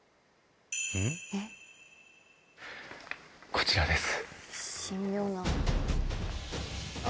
こちらです。